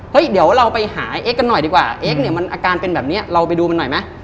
เดี๋ยวเราไปหาเอ็กกันหน่อยดีกว่าเอ็กซ์เนี่ยมันอาการเป็นแบบนี้เราไปดูมันหน่อยไหม